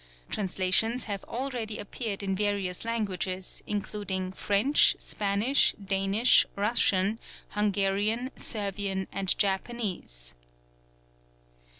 Translations have already appeared in various languages, including French, Spanish, Danish, Russian, Hungarian, Servian, and Japanese.